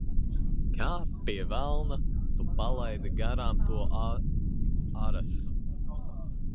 Kā, pie velna, tu palaidi garām to arestu?